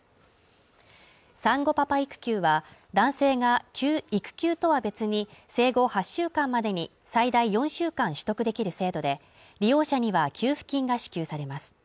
産後パパ育休は男性が育休とは別に、生後８週間までに最大４週間取得できる制度で、利用者には給付金が支給されます。